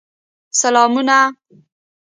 سلامونه !